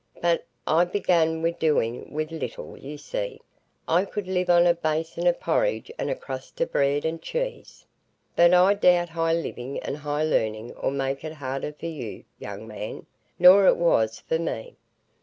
But I began wi' doing with little, you see; I could live on a basin o' porridge and a crust o' bread and cheese. But I doubt high living and high learning 'ull make it harder for you, young man, nor it was for me."